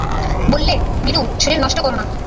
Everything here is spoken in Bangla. বললে, নীরু, শরীর নষ্ট কোরো না।